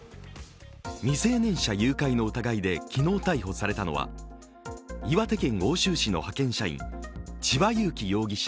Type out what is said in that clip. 未成年者誘拐の疑いで昨日逮捕されたのは岩手県奥州市の派遣社員、千葉裕生容疑者